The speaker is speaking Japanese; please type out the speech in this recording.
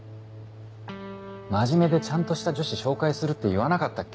真面目でちゃんとした女子紹介するって言わなかったっけ？